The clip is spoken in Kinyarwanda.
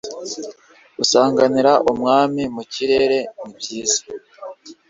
gusanganira Umwami mu kirere nibyiza